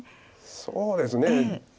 そうですね。